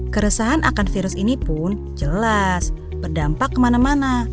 keresahan akan virus ini pun jelas berdampak kemana mana